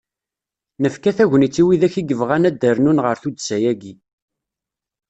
Nefka tagnit i widak i yebɣan ad d-rnun ɣer tudsa-agi.